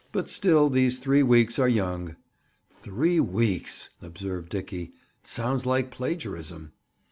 "But still these three weeks are young." "'Three weeks!'" observed Dickie. "Sounds like plagiarism!"